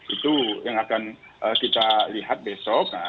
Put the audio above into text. itu yang akan kita lihat besok